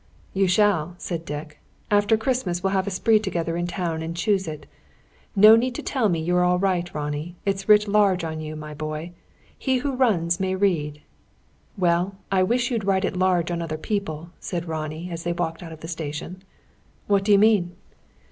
"You shall," said Dick. "After Christmas we'll have a spree together in town and choose it. No need to tell me you 're all right, Ronnie. It's writ large on you, my boy. He who runs may read!" "Well, I wish you'd write it large on other people," said Ronnie, as they walked out of the station. "What do you mean?"